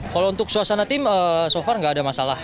kalau untuk suasana tim so far nggak ada masalah